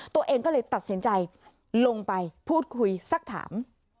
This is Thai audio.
ตัวเองก็เลยตัดสินใจลงไปพูดคุยสักถาม